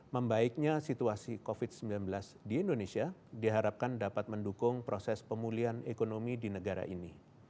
membaiknya situasi covid sembilan belas di indonesia diharapkan dapat mendukung proses pemulihan ekonomi di negara ini